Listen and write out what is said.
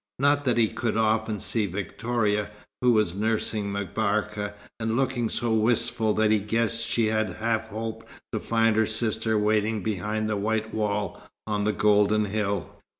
Not that he could often see Victoria, who was nursing M'Barka, and looking so wistful that he guessed she had half hoped to find her sister waiting behind the white wall on the golden hill.